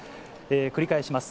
繰り返します。